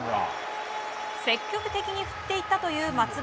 積極的に振っていったという松原。